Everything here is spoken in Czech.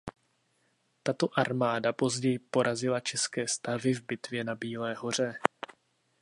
Tato armáda později porazila české stavy v bitvě na Bílé hoře.